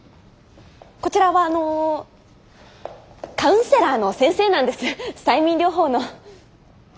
こちらはあのーカウンセラーの先生なんです催眠療法の。は？